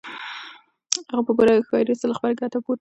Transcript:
هغه په پوره هوښیارۍ سره له خپل کټه پورته شو.